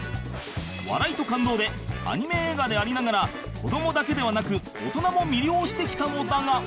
笑いと感動でアニメ映画でありながら子どもだけではなく大人も魅了してきたのだが